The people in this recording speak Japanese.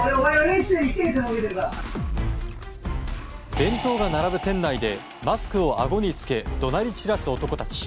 弁当が並ぶ店内でマスクをあごに着け怒鳴り散らす男たち。